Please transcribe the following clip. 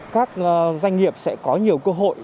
các doanh nghiệp sẽ có nhiều cơ hội